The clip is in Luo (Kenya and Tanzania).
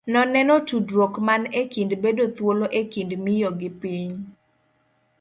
Noneno tudruok man e kind bedo thuolo e kind miyo gi piny.